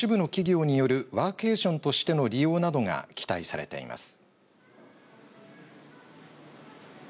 都市部の企業によるワーケーションとしての利用などが期待されています。